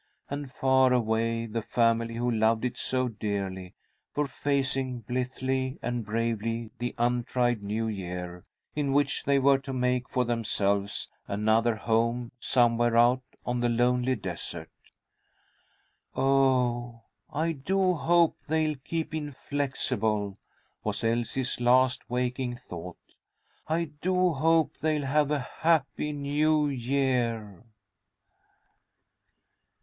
And far away, the family who loved it so dearly were facing blithely and bravely the untried New Year, in which they were to make for themselves another home, somewhere out on the lonely desert. "Oh, I do hope they'll keep 'inflexible,'" was Elsie's last waking thought. "I do hope they'll have a happy New Year."